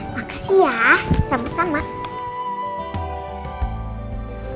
makasih ya sama sama